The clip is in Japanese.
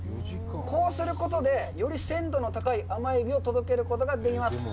こうすることで、より鮮度の高い甘えびを届けることができます。